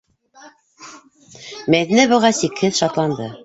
Мәҙинә быға сикһеҙ шатланды.